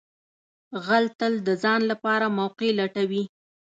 غل تل د ځان لپاره موقع لټوي